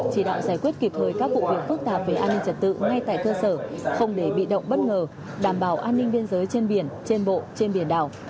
chỉ đạo giải quyết kịp thời các vụ việc phức tạp về an ninh trật tự ngay tại cơ sở không để bị động bất ngờ đảm bảo an ninh biên giới trên biển trên bộ trên biển đảo